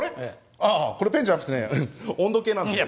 ああこれペンじゃなくてね温度計なんですよ。